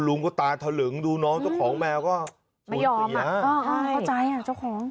สุดเลยไปเลยแสนอะโอเคโอเคไปเลยแค่สเย็นเนิน